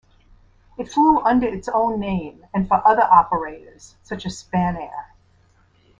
It flew under its own name and for other operators such as Spanair.